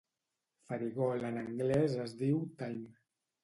Farigola en anglès es diu thyme.